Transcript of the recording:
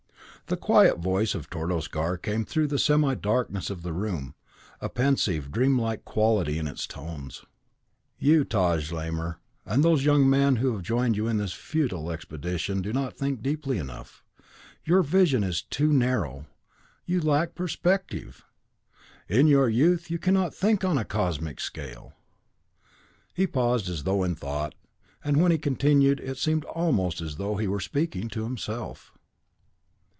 The quiet voice of Tordos Gar came through the semidarkness of the room, a pensive, dreamlike quality in its tones. "You, Taj Lamor, and those young men who have joined you in this futile expedition do not think deeply enough. Your vision is too narrow. You lack perspective. In your youth you cannot think on a cosmic scale." He paused as though in thought, and when he continued, it seemed almost as though he were speaking to himself.